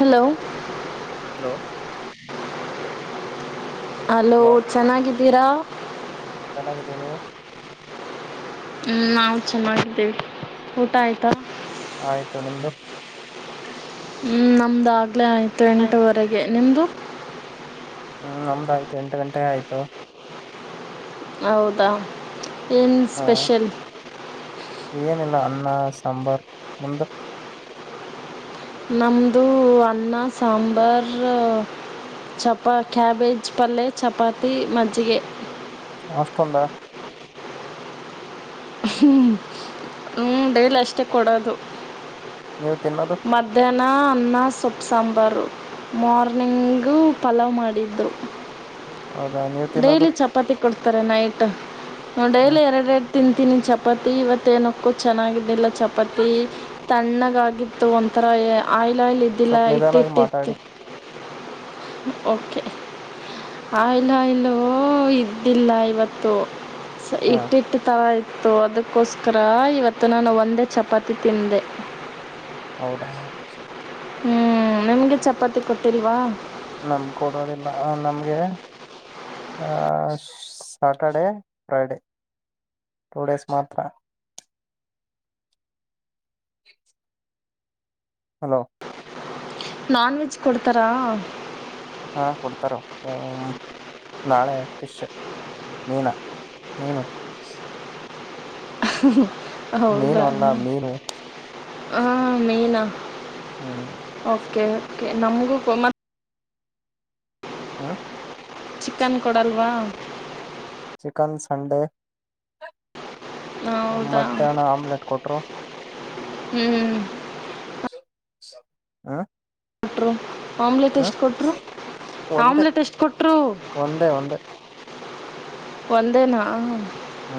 Hello hello hello ಚೆನ್ನಾಗಿದ್ದೀರಾ. ಚೆನ್ನಾಗಿದ್ದೀವಿ ನೀವು. ಹ್ಮ್ ನಾವು ಚೆನ್ನಾಗಿದ್ದೇವಿ, ಊಟ ಆಯ್ತಾ. ಆಯ್ತು ನಿಮ್ದು. ಹ್ಞ ನಮ್ಮ್ದಾಗ್ಲೇ ಆಯ್ತು ಎಂಟವರೆಗೆ ನಿಮ್ಮ್ದು. ಹ್ಮ್ ನಮ್ದ್ ಆಯ್ತು ಎಂಟ್ ಗಂಟೆಗೆ ಆಯ್ತು. ಹೌದಾ ಏನ್ ಹಾ ಸ್ಪೆಷಲ್? ಏನಿಲ್ಲ ಅನ್ನ ಸಾಂಬಾರ್, ನಿಮ್ದು? ನಮ್ಮ್ದು ಅನ್ನ ಸಾಂಬಾರು. ಚಪಾ ಕ್ಯಾಬೇಜ್ ಪಲ್ಲೆ ಚಪಾತಿ ಮಜ್ಜಿಗೆ. ಹ ಅಷ್ಟೊಂದಾ. ಹ್ಮ್ ಹ್ಮ ಡೈಲಿ ಅಷ್ಟೇ ಕೊಡೋದು. ನೀವು ತಿನ್ನೋದು? ಮಧ್ಯಾಹ್ನ ಅನ್ನ ಸೊಪ್ಪ್ ಸಾಂಬಾರು, ಮಾರ್ನಿಂಗು ಪಲಾವ್ ಮಾಡಿದ್ರು. ಹೌದಾ ನೀವ್? ಡೈಲಿ ಚಪಾತಿ ಕೊಡ್ತಾರೆ ನೈಟ್ ಹ್ಮ್ ಡೈಲಿ ಎರಡೆರಡ್ ತಿಂತೀನಿ ಚಪಾತಿ ಇವತ್ತೇನಕ್ಕೋ ಚೆನ್ನಾಗಿದ್ದಿಲ್ಲ ಚಪಾತಿ. ತಣ್ಣಗಾಗಿತ್ತು ಒಂಥರ ಆಯಿಲಾಯಿಲ್ ಇದ್ದಿಲ್ಲ ಸ್ವಲ್ಪ ನಿಧಾನವಾಗಿ ಹಿಟ್ಟಿಟ್ಟಿತ್ತು. ಮಾತಾಡಿ ಓಕೆ ಆ ಲ್ಲಾಯ್ಲು ಇದ್ದಿಲ್ಲ ಇವತ್ತು ಹಾ ಹಿಟ್ಟಿಟ್ಟು ತರ ಇ ತ್ತು ಅದಕ್ಕೋಸ್ಕರ ಇವತ್ತು ನಾನು ಒಂದೇ ಚಪಾತಿ ತಿಂದೆ. ಹೌದಾ? ಹ್ಮ್ ನಿಮ್ಗೆ ಚಪಾತಿ ಕೊಟ್ಟಿಲ್ವಾ? ನಮ್ಗ್ ಕೊಡೋದಿಲ್ಲ ಆ ನಮ್ಗೆ ಆ ಸಾಟರ್ಡೆೇ ಫ್ರೈಡೇ ಟೂ ಡೇಸ್ ಮಾತ್ರ. ಹಲೋ ನಾನ್ವೆಜ್ ಕೊಡ್ತಾರಾ. ಹಾ ಕೊಡ್ತಾರೆ ಹ ನಾಳೆ ಫಿಶು. ಮೀನಾ ಮೀನು. ಹು ಹು ಮೀನು ಹೌದಾ ಅಲ್ಲ ಮೀನು ಹ ಮೀನಾ? ಹ್ಮ ಓಕೆ ನಮ್ಗೂ ಹೋಮರ್ಕ್ ಹಾ ಚಿಕನ್ ಕೊಡಲ್ವಾ? ಚಿಕನ್ ಸಂಡೆ ಮಧ್ಯಾಹ್ನ ಆಮ್ಲೆಟ್ ಕೊಟ್ರು. ಹ್ಮ್ ಹ [unintelligible] ಆಮ್ಲೆಟ್ ಎಷ್ಟು ಕೊಟ್ಟ್ರು ಒಂದೇ ಆಮ್ಲೆಟ್ ಎಷ್ಟು ಕೊಟ್ಟ್ರು? ಒಂದೇ ಒಂದೇ ಒಂದೇನಾ? ಹ್ಮ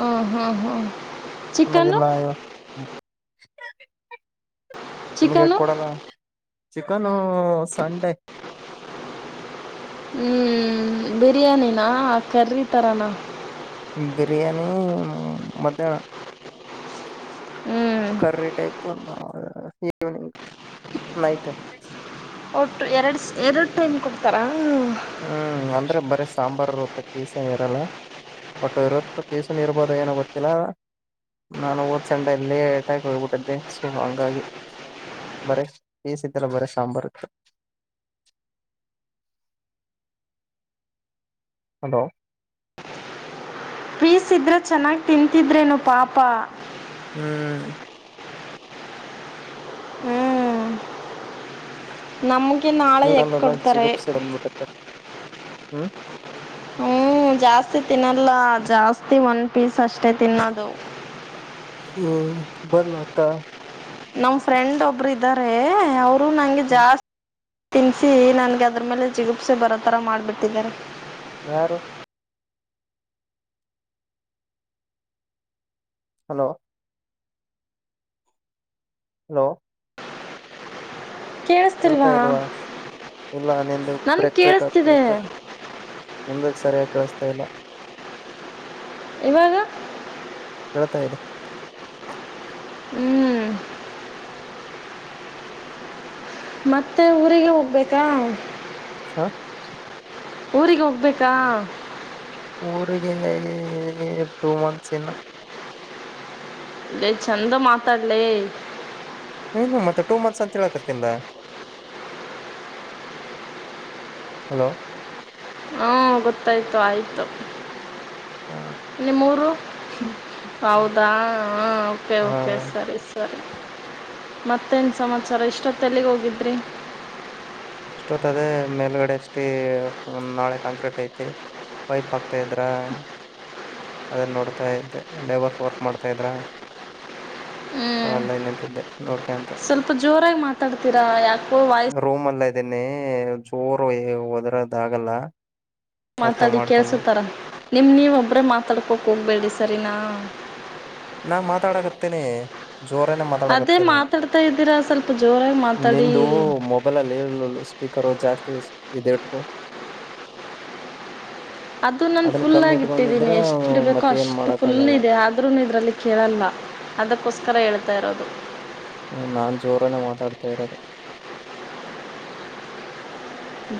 ಹ್ಮ್ ಹ್ಮ್ ಹ್ಮ್. ನಮಗೆಲ್ಲ ಹೇಳು ನಮಗೆ ಚಿಕನ್ನು ಕೊಡಲ್ಲ. ಚಿಕನೂ ಸಂಡೆ. ಹ್ಞ ಬಿರಿಯಾನಿನಾ ಕರ್ರಿ ತರನಾ? ಬಿರಿಯಾನಿ ಮಧ್ಯಾಹ್ನ ಹ್ಞೂ ಕರ್ರಿ ಟೈಪ್, ಈವ್ನಿಂಗ್ ನೈಟು. ಒಟ್ಟು ಎರಡು ಎರಡು ಟೈಮ್ ಕೊಡ್ತಾರಾ. ಹ್ಮ್ ಅಂದ್ರೆ ಬರಿ ಸಾಂಬಾರಿರ್ತ್ತ ಪೀಸೇನ್ ಇರಲ್ಲ. ಬಟ್ ಇವೊತ್ತು ಪೀಸೇನ್ ಇರ್ಬೋದು ಏನೋ ಗೊತ್ತಿಲ್ಲಾ. ನಾನು ಹೋದ್ ಸಂಡೇ ಲೇಟಾಗ್ ಹೋಗ್ಬಿಟ್ಟದ್ದೆ ಸ ಹಂಗಾಗಿ. ಬರೆ ಪೀಸ್ ಇದ್ದೆಲ್ಲ ಬರೀ ಸಾಂಬಾರು. ಹಲೋ ಪೀಸ್ ಇದ್ರೆ ಚೆನ್ನಾಗ್ ತಿಂತಿದ್ರೇನೊ ಪಾಪ. ಹ್ಮ್ ಹ್ಮ್ ನಮ್ಮ್ ಗೆ ನಾಳೆ ಎಕಗ್ ನೀವಲ್ಲ ಕೊಡ್ತಾರೆ. ಜಿಗುಪ್ಸಿ ಬಂದ್ಬಿಟ್ಟೆ ಹ್ಮ್ ಹ್ಮ್ ಜಾಸ್ತಿ ತಿನ್ನಲ್ಲ ಜಾಸ್ತಿ ಒಂದ್ ಪೀಸ್ ಅಷ್ಟೇ ತಿನ್ನೋದು. ಹ್ಮ್ ಬನ್ ಕ ನಮ್ ಫ್ರೆಂಡ್ ಒಬ್ರು ಇದ್ದಾರೆ ಅವರು ನಂಗೆ ಹ್ಮ್ ಜಾಸ್ತಿ ತಿನ್ಸಿ ನನ್ಗ್ ಅದ್ರ ಮೇಲೆ ಜಿಗುಪ್ಸೆ ಬರೋತರ ಮಾಡ್ಬಿಟ್ಟಿದ್ದಾರೆ. ಯಾರು? ಹಲೋ ಹಲೋ ಕೇಳ್ತಾ ಕೇಳಿಸ್ತಿಲ್ವಾ ಇಲ್ವಾ ಇಲ್ಲ ನಿಂದು ನನ್ಗೆ ಬ್ರೇಕ್ ಬ್ರೇಕ್ ಆಗ್ತಾ ಕೇಳಿಸ್ತಿದೆ ಇತ್ತು. ನಿಮ್ದಕ್ ಸರಿಯಾಗಿ ಕೇಳಿಸ್ತಾ ಇಲ್ಲ. ಇವಾಗ? ಕೇಳ್ತಾ ಇದೆ. ಹ್ಮ್ ಮತ್ತೆ ಊರಿಗೆ ಹೋಗ್ಬೇಕಾ? ಹ ಊರಿಗೋಗ್ಬೇಕಾ? ಊರಿಗೆ ಟೂ ಮಂತ್ಸ್ ಇನ್ನು. ಲೇ ಚಂದ ಮಾತಾಡ್ಲೇ. ಏನು ಮತ್ತೆ ಟೂ ಮಂತ್ಸ್ ಅಂತ ಹೇಳಕತ್ತಿಂದ? ಹಲೋ ಹ್ಮ ಗೊತ್ತಾಯ್ತು ಆಯ್ತು. ಹಾ ನಿಮ್ಮೂರು ಹೌದಾ ಓಕೆ ಹ ಓಕೆ ಸರಿ. ಮತ್ತೇನ್ ಸಮಾಚಾರ ಇಷ್ಟೊತ್ತೆಲ್ಲಿಗ್ ಹೋಗಿದ್ರಿ? ಇಷ್ಟೊತ್ ಅದೇ ಮೇಲ್ಗಡೆ ಅಷ್ಟಿ ಒಂ ನಾಳೆ ಕಾಂಕ್ರೀಟ್ ಐತಿ. ಪೈಪ್ ಆಕ್ತೆ ಇದ್ರ. ಅದಲ್ ನೋಡ್ತಾ ಇದೆ ಲೇಬರ್ ಫೋರ್ಕ್ ಮಾಡ್ತಾ ಇದ್ರ. ಸೊ ಹ್ಮ್ ಅಲ್ಲ ನಿಂತಿದ್ದೆ ನೋಡ್ಕ ಅಂತ ಸ್ವಲ್ಪ ಜೋರಾಗಿ ಮಾತಾಡ್ತೀರಾ ಯಾಕೋ ವಾಯ್ಸ್ ರೂಮ್ ಎಲ್ಲೆ ಇದ್ದೀನಿ ಜೋರು ಒದ್ರದ್ ಆಗಲ್ಲ. ಅರ್ಥ ಮಾತಾಡಿ ಮಾಡ್ಕೊಬೇಕು ಕೇಳ್ಸತರ ನಿಮ್ ನೀವ್ ಒಬ್ರೇ ಮಾತಾಡ್ಕೋಕ್ ಹೋಗ್ಬೇಡಿ ಸರಿನಾ. ನಾ ಮಾತಾಡಕತ್ತೇನಿ. ಜೋರನೆ ಅದೇ ಮಾತಾಡಕತ್ತೆನಿ ಮಾತಾಡ್ತಾ ಇದ್ದೀರಾ ಸ್ವಲ್ಪ ಜೋರಾಗಿ ಮಾತಾಡಿ ನಿಂದು ಮೊಬ್ ಬೈಲ್ ಅಲ್ಲಿ ಸ್ಪೀಕರ್ ಜಾಸ್ತಿ ಇಸ್ ಇದಿಟ್ಕೊ. ಅದು ನಾನ್ ಅದನ್ನ ಫುಲ್ ಕಮ್ಮಿ ಆಗ್ ಇಟ್ಟಿದ್ದೀನಿ ಇಟ್ಕೊಂಡಿದ್ರ ಎಷ್ಟು ಇಡ್ಬೇಕೋ ಮತ್ತೆ ಏನ್ ಅಷ್ಟು ಮಾಡಕ್ ಫುಲ್ ಆಗಲ್ಲ ಇದೆ ಆದ್ರುನು ಇದ್ರಲ್ಲಿ ಕೇಳಲ್ಲ ಅದುಕ್ಕೋಸ್ಕರ ಹೇಳ್ತಾ ಇರೋದು. ಹ್ಮ ನಾನ್ ಜೋರನೇ ಮಾತಾಡ್ತಾ ಇರೋದು.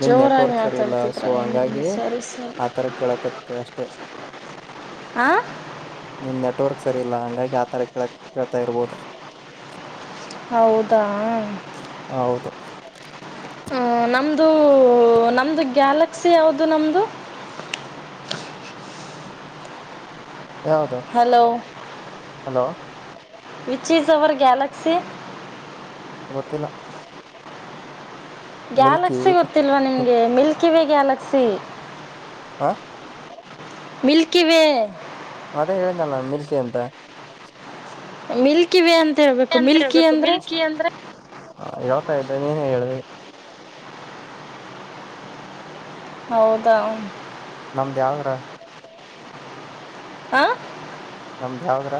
ನಿನ್ ಜೋರಾಗ್ ನೆಟ್ವರ್ಕ್ ಸರಿ ಇಲ್ಲ ಮಾತಾಡ್ತಿದ್ರ ಸೊ ಹ್ಮ ಹಂಗಾಗಿ ಸರಿ ಸರಿ. ಆತರ ಕೇಳಕತ್ತೆ ಅಷ್ಟೇ ಆ ನಿನ್ ನೆಟ್ವರ್ಕ್ ಸರಿ ಇಲ್ಲ ಹಂಗಾಗಿ ಆತರ ಕಳ್ ಕೇಳ್ತಾ ಇರ್ಬೋದು. ಹೌದಾ ಹೌದು ಹ ನಮ್ದು ನಮ್ದು ಗ್ಯಾಲಕ್ಸಿ ಯಾವ್ದು ನಮ್ದು. [unintelligible] ಯಾವ್ದು hello hello which is our galaxy. ಗೊತ್ತಿಲ್ಲ ಮಿಲ್ಕಿ ಗ್ಯಾಲಕ್ಸಿ ಗೊತ್ತಿಲ್ವಾ ನಿಮ್ಗೆ ಮಿಲ್ಕಿ ವೇ ಗ್ಯಾಲಕ್ಸಿ. ಹಾಂ ಮಿಲ್ಕಿ ವೇ. ಅದೇ ಹೇಳಿದ್ನಲ್ಲ ನಾನ್ ಮಿಲ್ಕಿ ಅಂತ. ಮಿಲ್ಕಿವೇ ಅಂತ ಹೇಳ್ಬೇಕು ಮಿಲ್ಕಿ ಅಂದ್ರೆ. ಹಾ ಹೇಳ್ತಾ ಇದ್ದೆ ನೀನೆ ಹೇಳ್ದೆ. ಹೌದಾ ನಮ್ದ್ ಯಾವ್ ಗ್ರಹ. ಹಾ ನಮ್ದ್ ಯಾವ್ ಗ್ರಹ.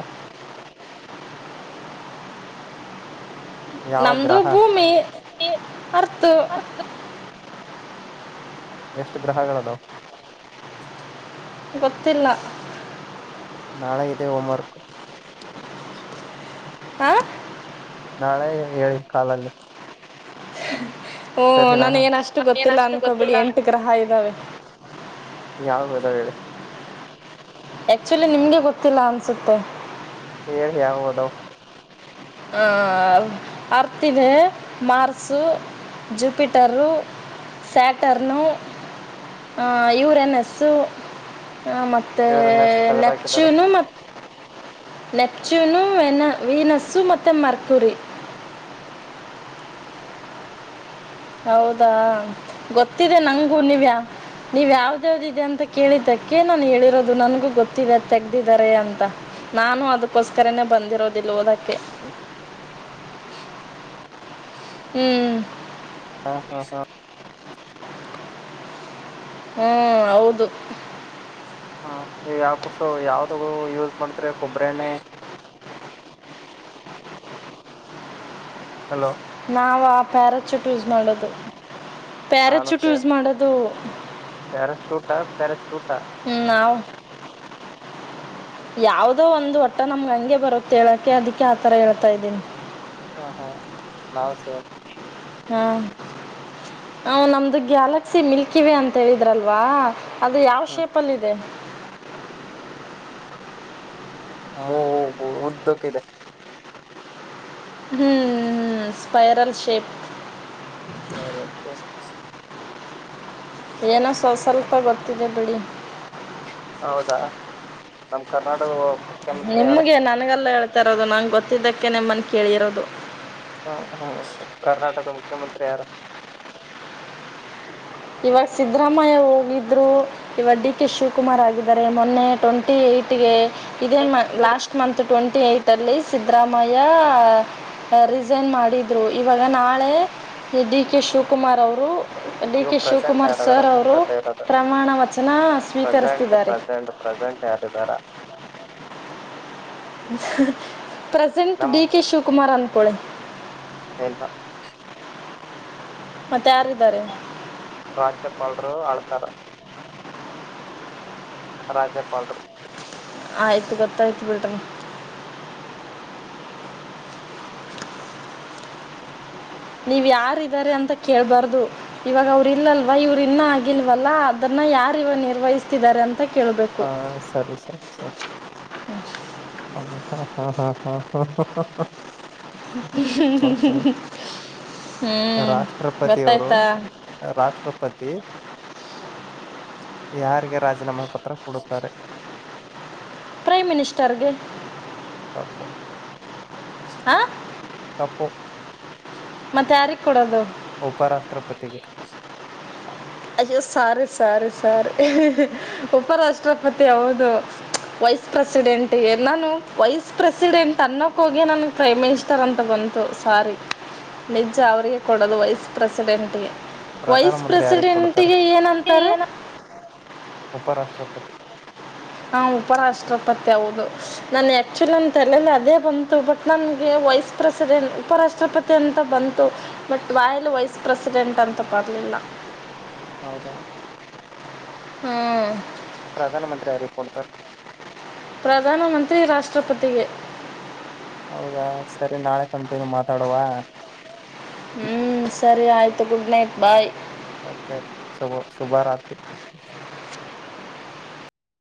ಯಾವ ನಮ್ದು ಗ್ರಹ ಭೂಮಿ ಅರ್ತು. ಎಷ್ಟ್ ಗ್ರಹಗಳ್ ಅದಾವ್. ಗೊತ್ತಿಲ್ಲ. ನಾಳೆ ಇದೆ ಹೋಮರ್ಕು. ಹಾ ನಾಳೆ ಹೇಳಿ ಕಾಲಲ್ಲಿ. ಓ ಸರಿನಾ ನನ್ಗ್ ಏನಷ್ಟು ಏನ್ ಗೊತ್ತಿಲ್ಲ ಅಷ್ಟು ಅನ್ಕೊಬೆಡಿ ಗೊತ್ತಿಲ್ಲ ಎಂಟ್ ಗ್ರಹ ಇದ್ದಾವೆ. ಯಾವ್ ಗ್ರಹ ಹೇಳಿ. ಆ್ಯಕ್ಚುಲಿ ನಿಮ್ಗೆ ಗೊತ್ತಿಲ್ಲ ಅನ್ಸುತ್ತೆ. ಹೇಳಿ ಯಾವ್ ಅದಾವ್. ಅ ಅರ್ತ್ ಇದೆ ಮಾರ್ಸು ಜುಪಿಟರ್ರು. ಸ್ಯಾಟರ್ನು ಯುರೆನಸ್ಸು ಮ ಮತ್ತೆ ದೇವ್ರನ್ನ ಏ ತಗದ ಹಾಕಿದಾರ ನೆಪ್ಚುನು ಮತ್ ನೆಪ್ಚೂನು ವೆನ ವೀನಸ್ಸು ಮತ್ತೆ ಮರ್ಕುರಿ. ಹೌದಾ ಗೊತ್ತಿದೆ ನಂಗು ನೀವ್ಯಾ ನೀವ್ ಯಾವ್ದ್ಯಾವ್ದ್ ಇದೆ ಅಂತ ಕೇಳಿದ್ದಕ್ಕೆ ನಾನು ಹೇಳಿರೋದು ನನ್ಗೂ ಗೊತ್ತಿದೆ ತೆಗ್ದಿದಿದ್ದಾರೆ ಅಂತ. ನಾನು ಅದಕ್ಕೋಸ್ಕರನೆೇ ಬಂದಿರೋದಿಲ್ಲ್ ಓದಕ್ಕೆ. ಹ್ಮ್ ಹಾ ಹಾ ಹಾ. ಹ್ಮ್ ಹೌದು. ಹ್ಮ ನೀವು ಯಾವ್ ಕುಸವ್ ಯಾವ್ದೂ ಯೂಸ್ ಮಾಡ್ತಿರಾ ಕೊಬ್ಬರ್ ಎಣ್ಣೆ. ಹಲೋ ನಾವಾ ಪ್ಯಾರ ಚೂಟ್ ಯೂಸ್ ಮಾಡೋದು ಪ್ಯಾರ ಚೂಟ್ ಯೂಸ್ ಮಾಡೋದು. [inaudible] ಪ್ಯಾರಾಶೂಟಾ ಪ್ಯರಾಚೂಟಾ? ನಾವು ಯಾವದೋ ಒಂದು ಒಟ್ಟಲ್ ನಮ್ಗೆ ಹಂಗೆ ಬರುತ್ತ್ ಹೇಳಕೆ ಅದಕ್ಕೆ ಆತರ ಹೇಳ್ತಾ ಇದೀನಿ. ಹ್ಮ್ ಹಾ ನಾವು ಸೇಮ್. ಹ್ಮ ಹ ನಮ್ದು ಗ್ಯಾಲಕ್ಸಿ ಮಿಲ್ಕಿವೇ ಅಂತ ಹೇಳಿದ್ರಲ್ವಾ. ಅದು ಯಾವ್ ಹ್ಮ ಶೇಪಲ್ಲಿದೆ? ಅವು ಉದ್ದಕ್ಕಿದೆ. ಹ್ಮ್ ಸ್ಪೈರಲ್ ಶೇಪ್. ಸ್ಪೈರಲ್ ಏನೋ ಸೊಸ್ವಲ್ಪ ಗೊತ್ತಿದೆ ಬಿಡಿ. ಹೌದಾ ನಮ್ ಕರ್ನಾಟಕ ಮುಖ್ಯಮಂತ್ರಿ ಯಾರು ನಿಮ್ಗೆ, ನನ್ಗಲ್ಲ ಹೇಳ್ತಾ ಇರೋದು ನಂಗೆ ಗೊತ್ತಿದ್ದಕ್ಕೆ ನಿಮ್ಮನ್ ಕೇಳಿರೋದು. ಹ್ಮ ಹ್ಮ್ ಕರ್ನಾಟಕದ ಮುಖ್ಯಮಂತ್ರಿ ಯಾರು? ಇವಾಗ ಸಿದ್ದರಾಮಯ್ಯ ಹೋಗಿದ್ರು. ಇವದ್ದಿಕ್ಕೆ ಡಿ ಕೆ ಶಿವಕುಮಾರ್ ಆಗಿದ್ದಾರೆ ಮೊನ್ನೆ ಟ್ವೆಂಟಿ ಏಟ್ಗೆ ಇದೇ ಲಾಸ್ಟ್ ಮಂತು ಟ್ವೆಂಟಿ ಏಟ್ ಅಲ್ಲಿ ಸಿದ್ದರಾಮಯ್ಯ ರಿಸೈನ್ ಮಾಡಿದ್ರು, ಇವಾಗ ನಾಳೆ ಡಿ ಕೆ ಶಿವಕುಮಾರ್ ಅವರು ಡಿ ಇವ ಕೆ ಪ್ರೆಸೆಂಟ್ ಶಿವಕುಮಾರ್ ಯಾರದಾರ ಸರ್ ಅಂತ ಅವರು ಕೇಳ್ತಾ ಇರೋದು ಪ್ರಮಾಣ ವಚನ ಪ್ರೆಸೆಂಟ್ ಸ್ವೀಕರಿಸ್ತಿದ್ದಾರೆ. ಪ್ರೆಸೆಂಟ್ ಪ್ರೆಸೆಂಟ್ ಯಾರಿದ್ದಿರಾ? ಪ್ರೆಸೆಂಟ್ ನಮ್ ಡಿ ಕೆ ಶಿವಕುಮಾರ್ ಅನ್ಕೊಳಿ. ಇಲ್ಲ. ಮತ್ತ್ಯಾರಿದ್ದಾರೆ? ರಾಜ್ಯಪಾಲ್ರು ಆಳ್ತಾರ. ರಾಜ್ಯಪಾಲ್ರು. ಆಯ್ತು ಗೊತ್ತಾಯ್ತು ಬಿಡ್ರಿ. ನೀವು ಯಾರಿದ್ದಾರೆ ಅಂತ ಕೇಳ್ಬಾರ್ದು. ಇವಾಗ ಅವರು ಇಲ್ಲಲ್ವ ಇವ್ರರು ಇನ್ನ ಆಗಿಲ್ವಲ್ಲ ಅದನ್ನ ಯಾರ ಇವಾಗ ನಿರ್ವಹಿಸ್ತಿದ್ದಾರೆ ಅಂತ ಕೇಳ್ಬೇಕು? ಹಾ ಸರಿ ಸರಿ ಸರಿ. ಹ ಹಾ ಹಾ ಹಾ ಹಾ ಹಾ ಓಕೆ ಹ್ಞೂ ರಾಷ್ಟ್ರಪತಿ ಅವರು ಗೊತ್ತಾಯ್ತಾ ರಾಷ್ಟ್ರಪತಿ ಯಾರಿಗೆ ರಾಜೀನಾಮಾ ಪತ್ರ ಕೊಡುತ್ತಾರೆ? ಪ್ರೈಮ್ ಮಿನಿಸ್ಟರ್ಗೆ. ತಪ್ಪು ಹಾಂ ತಪ್ಪು. ಮತ್ತ್ಯಾರಿಗೆ ಕೊಡದು? ಉಪರಾಷ್ಟ್ರಪತಿಗೆ. ಅಯ್ಯೋ ಸಾರಿ ಸಾರಿ ಸಾರಿ ಉಪರಾಷ್ಟ್ರಪತಿ ಹೌದು. ವೈಸ್ ಪ್ರೆಸಿಡೆಂಟ್ಗೆ ನಾನು ವೈಸ್ ಪ್ರೆಸಿಡೆಂಟ್ ಅನ್ನೋಕ್ ಹೋಗಿ ನಾನು ಪ್ರೈಮ್ ತರಂತ ಬಂತು ಸಾರಿ ನಿಜ ಅವ್ರಿಗೆ ಕೊಡೋದು ವೈಸ್ ಪ್ರೆಸಿಡೆಂಟ್ಗೆ. ಪ್ರಧಾನ ಮಂತ್ರಿ ಯಾರಿಗ್ ಕೊಡ್ತಾರೆ ಉಪರಾಷ್ಟ್ರಪತಿ. ಹಾ ಉಪರಾಷ್ಟ್ರಪತಿ ಹೌದು. ನಾನ್ ಆಕ್ಚುಲಿ ಅಂತಲ್ಲ ಅದೇ ಬಂತು ಬಟ್ ನನ್ಗೆ ವೈಸ್ ಪ್ರೆಸಿಡೆಂಟ್ ಉಪರಾಷ್ಟ್ರಪತಿ ಅಂತ ಬಂ ಬಟ್ ವಾಯ್ಲು ವೈಸ್ ಪ್ರೆಸಿಡೆಂಟ್ ಅಂತ ಬರ್ಲಿಲ್ಲ. ಹೌದಾ ಹ್ಮ್ ಪ್ರಧಾನ ಮಂತ್ರಿ ಯಾರಿಗ್ ಕೊಡ್ತರ್. ಪ್ರಧಾನ ಮಂತ್ರಿ ರಾಷ್ಟ್ರಪತಿಗೆ. ಹೌದಾ ಸರಿ ನಾಳೆ ಕಂಟಿನ್ಯೂ ಮಾತಾಡುವ. ಹ್ಮ್ ಸರಿ ಆಯ್ತು ಗುಡ್ ನೈಟ್ ಬಾಯ್. ಓಕೆ ಸುಬೊ ಶುಭ ರಾತ್ರಿ.